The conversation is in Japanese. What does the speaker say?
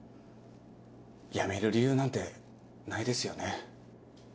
やめる理由なんてないですよね。